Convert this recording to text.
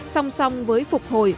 song song với phục hồi